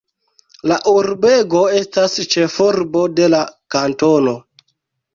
La urbego estas ĉefurbo de la kantono.